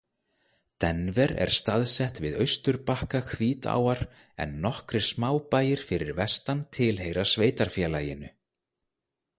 Denver er staðsett við austurbakka Hvítáar en nokkrir smábæir fyrir vestan tilheyra sveitarfélaginu.